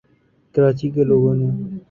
کراچی کے لوگوں نے